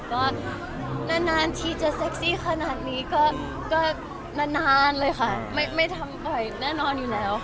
ก็นานทีจะเซ็กซี่ขนาดนี้ก็นานเลยค่ะไม่ทำบ่อยแน่นอนอยู่แล้ว